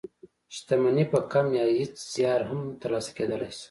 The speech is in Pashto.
شتمني په کم يا هېڅ زيار هم تر لاسه کېدلای شي.